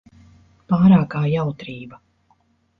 Pārākā jautrība.